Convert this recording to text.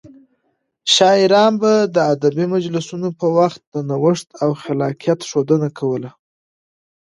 شاعران به د ادبي مجلسونو په وخت د نوښت او خلاقيت ښودنه کوله.